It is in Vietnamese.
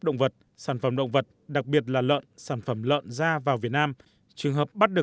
động vật sản phẩm động vật đặc biệt là lợn sản phẩm lợn ra vào việt nam trường hợp bắt được